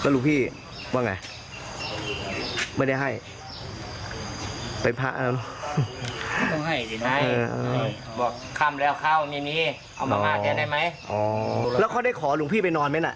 แล้วเขาได้ขอหลวงพี่ไปนอนไหมน่ะ